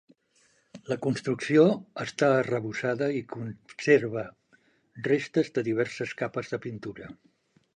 La construcció està arrebossada i conserva restes de diverses capes de pintura.